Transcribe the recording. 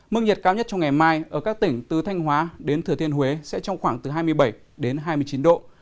mức nhiệt cao nhất trong ngày mai ở các tỉnh từ thanh hóa đến thừa thiên huế sẽ trong khoảng từ hai mươi bảy đến hai mươi chín độ